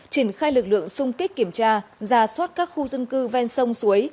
triển khai lực lượng sung kích kiểm tra ra soát các khu dân cư ven sông suối